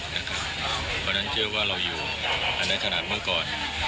เพราะฉะนั้นเชื่อว่าเราอยู่ในขนาดเมื่อก่อน